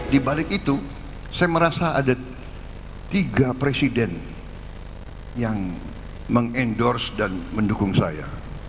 di balik itu saya merasa ada tiga presiden yang mengendorse dan mendukung saya